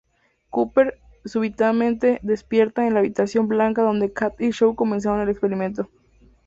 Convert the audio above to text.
Cooper súbitamente despierta en la habitación blanca donde Katie y Shou comenzaron el experimento.